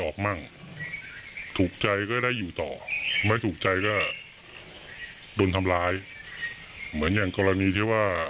ใครก็โดนทำร้ายเหมือนอย่างกรณีที่ว่า